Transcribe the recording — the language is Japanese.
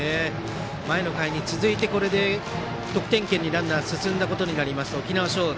前の回に続いてこれで得点圏にランナーが進んだことになります沖縄尚学。